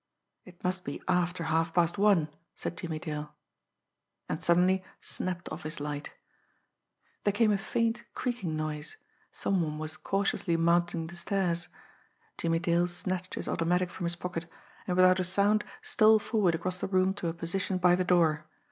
"It must be after halfpast one," said Jimmie Dale and suddenly snapped off his light. There came a faint creaking noise some one was cautiously mounting the stairs. Jimmie Dale snatched his automatic from his pocket, and without a sound stole forward across the room to a position by the door.